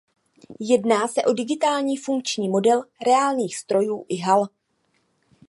Jedná se o digitální funkční model reálných strojů i hal.